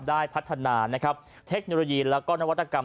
ได้พัฒนานะครับเทคโนโลยีแล้วก็นวัตกรรม